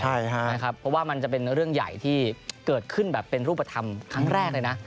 เพราะว่ามันจะเป็นเรื่องใหญ่ที่เกิดขึ้นแบบเป็นรูปธรรมครั้งแรกเลยนะ